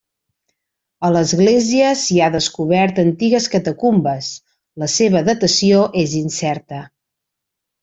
A l'església s'hi ha descobert antigues catacumbes; la seva datació és incerta.